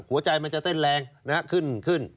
หัวใจมันจะเต้นแรงขึ้นขึ้น